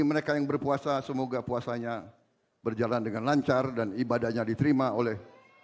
terima kasih atas sambutannya kepada presiden terpilih